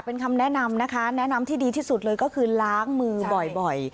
เป็นคำแนะนำนะคะแนะนำที่ดีที่สุดเลยก็คือล้างมือบ่อย